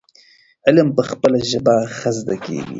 علم په خپله ژبه ښه زده کيږي.